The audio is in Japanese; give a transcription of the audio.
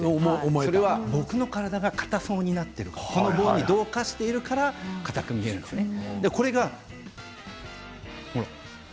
それは僕の体がかたそうになっているから同化しているからかたく見えるんですね。